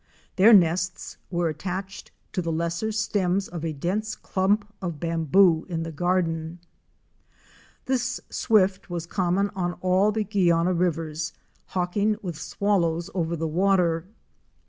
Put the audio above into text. Their nests were attached to the lesser stems of a dense clump of bamboo in the garden. This Swift was common on all the Guiana rivers, hawk ing with Swallows over the water.